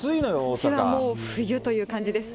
こちらはもう冬という感じです。